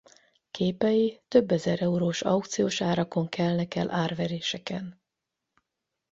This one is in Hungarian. Képei több ezer eurós aukciós árakon kelnek el árveréseken.